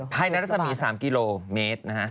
ภายนรสมี๓กิโลเมตร